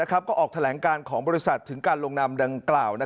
ก็ออกแถลงการของบริษัทถึงการลงนำดังกล่าว